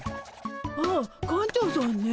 ああ館長さんね。